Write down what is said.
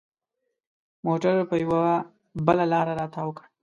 موټر پر یوه بله لاره را تاو کړ.